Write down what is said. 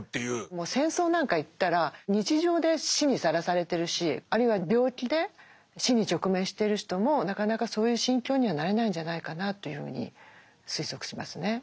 もう戦争なんか行ったら日常で死にさらされてるしあるいは病気で死に直面している人もなかなかそういう心境にはなれないんじゃないかなというふうに推測しますね。